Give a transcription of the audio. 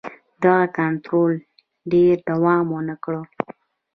دغه کنټرول ډېر دوام ونه کړ.